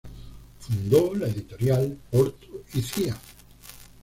Fundó la editorial Porto y Cía.